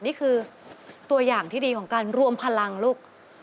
นี่คือตัวอย่างที่ดีของการรวมพลังลูก